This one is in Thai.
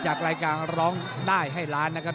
รายการร้องได้ให้ล้านนะครับ